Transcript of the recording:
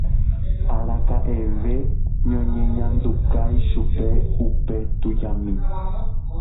Araka'eve noñeñandukái chupe upe tujami.